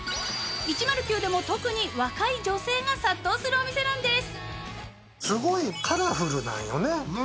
１０９でも特に若い女性が殺到するお店なんです。